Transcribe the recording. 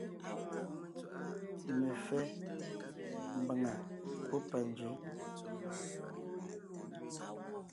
Mefɛ́ (mbàŋa pɔ́ panzwě ).